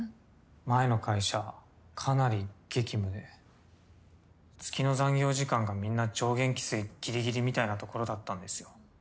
前の会社かなり激務で月の残業時間がみんな上限規制ぎりぎりみたいなところだったんですよ。